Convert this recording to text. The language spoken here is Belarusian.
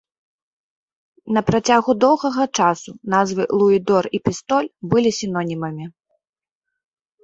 На працягу доўгага часу назвы луідор і пістоль былі сінонімамі.